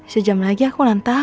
kok baru kamu ketinggalan